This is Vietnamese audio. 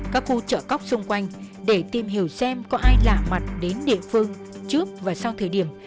các khu chợ cóc xung quanh để tìm hiểu xem có ai lạ mặt đến địa phương trước và sau thời điểm